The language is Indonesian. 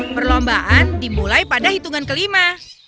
perlombaan dimulai pada hitungan kelima